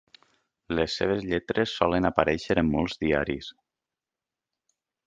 Les seves lletres solen aparèixer en molts diaris.